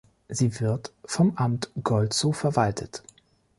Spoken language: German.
Sie wird vom Amt Golzow verwaltet.